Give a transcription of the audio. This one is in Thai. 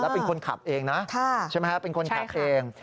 เป็นคนขับเองนะใช่ไหมฮะเป็นคนขับเอง